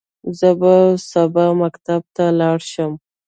زه به سبا مکتب ته لاړ شم.